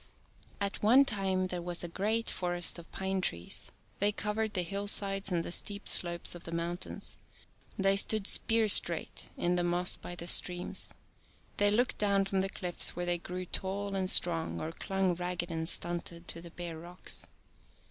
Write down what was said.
At one time there was a great forest of pine trees. They covered the hill sides and the steep slopes of the mountains. They stood "spear straight" in the moss by the streams. They looked down from the cliffs where they grew tall and strong, or clung ragged and stunted to the bare rocks.